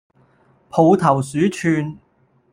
抱頭鼠竄